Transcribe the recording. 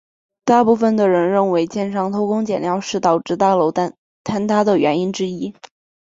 大部分的人认为建商偷工减料是导致大楼坍塌原因之一。